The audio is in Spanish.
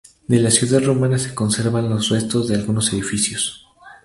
De la ciudad romana se conservan los restos de algunos edificios.